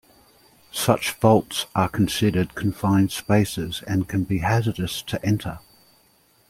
Such vaults are considered confined spaces and can be hazardous to enter.